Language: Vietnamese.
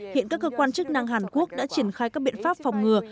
hiện các cơ quan chức năng hàn quốc đã triển khai các biện pháp phòng ngừa